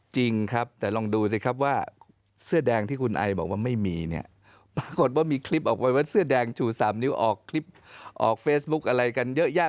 จริงครับแต่ลองดูสิครับว่า